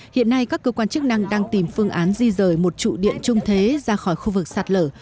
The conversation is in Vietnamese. hiện nay các cơ quan chức năng đang tìm phương án di rời một trụ điện trung thế ra khỏi khu vực sạt lở